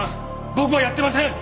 僕はやってません！